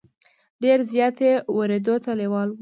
ډېر زیات یې ورېدو ته لېواله وو.